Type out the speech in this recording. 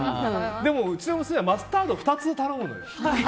でも、うちの娘はマスタード２つ頼むのよ。